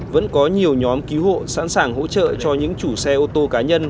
vẫn có nhiều nhóm cứu hộ sẵn sàng hỗ trợ cho những chủ xe ô tô cá nhân